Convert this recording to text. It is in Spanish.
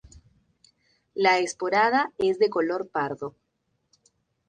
La esporada es de color pardo.